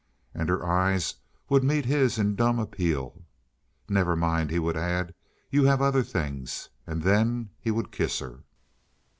And her eyes would meet his in dumb appeal. "Never mind," he would add, "you have other things." And then he would kiss her.